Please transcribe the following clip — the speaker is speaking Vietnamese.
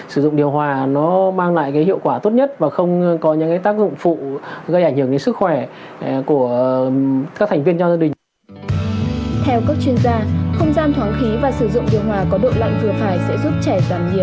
sử dụng quạt máy để không khí có sự lưu thông